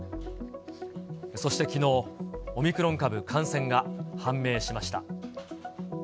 そしてきのう、オミクロン株感染が判明しました。